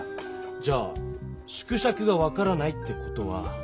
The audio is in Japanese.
じゃあ縮尺が分からないって事は。